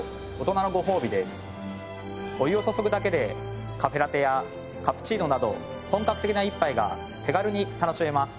お湯を注ぐだけでカフェラテやカプチーノなど本格的な一杯が手軽に楽しめます。